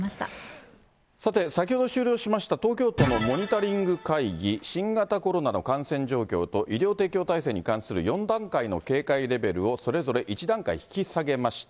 さて、先ほど終了しました東京都のモニタリング会議、新型コロナの感染状況と医療提供体制に関する４段階の警戒レベルを、それぞれ１段階引き下げました。